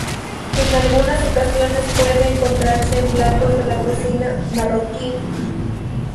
En algunas ocasiones puede encontrarse en platos de la cocina marroquí.